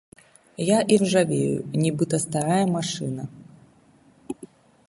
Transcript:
Я іржавею, нібыта старая машына.